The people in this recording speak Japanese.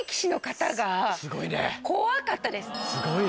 すごいね。